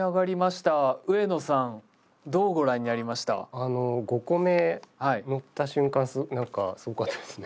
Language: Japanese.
あの５個目のった瞬間なんかすごかったですね。